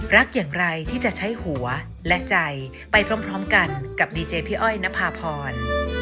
รักอย่างไรที่จะใช้หัวและใจไปพร้อมกันกับดีเจพี่อ้อยนภาพร